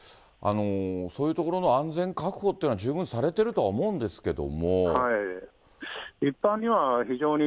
そういう所の安全確保というのは、十分されてるとは思うんですけれども。